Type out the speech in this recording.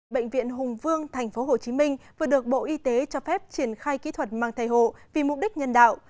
bệnh viện hùng vương tp hcm vừa được bộ y tế cho phép triển khai kỹ thuật mang thai hộ vì mục đích nhân đạo